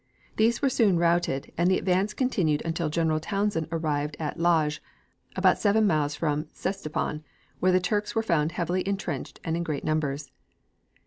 These were soon routed, and the advance continued until General Townshend arrived at Lajj, about seven miles from Ctesiphon, where the Turks were found heavily intrenched and in great numbers.